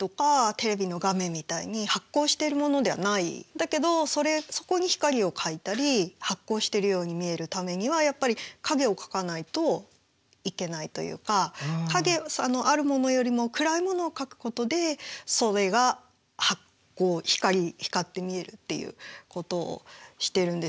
だけどそこに光を描いたり発光してるように見えるためにはやっぱり影を描かないといけないというかあるものよりも暗いものを描くことでそれが光って見えるっていうことをしてるんですよね。